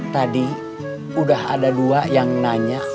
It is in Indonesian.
tadi udah ada dua yang nanya